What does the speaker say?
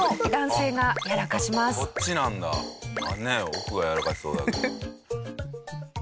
奥がやらかしそうだけど。